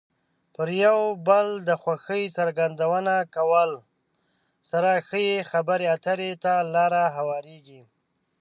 پر یو بل د خوښۍ څرګندونه کولو سره ښې خبرې اترې ته لار هوارېږي.